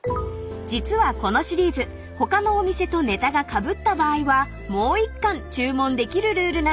［実はこのシリーズ他のお店とねたがかぶった場合はもう１貫注文できるルールなんです］